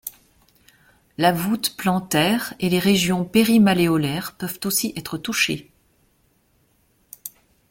La voute plantaire et les régions péri-malléolaires peuvent aussi être touchées.